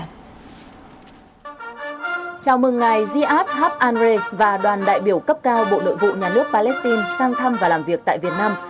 chào mừng ngày ziad habarit và đoàn đại biểu cấp cao bộ nội vụ nhà nước palestine sang thăm và làm việc tại việt nam